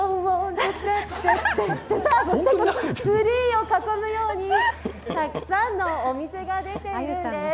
そしてツリーを囲むようにたくさんのお店が出ています。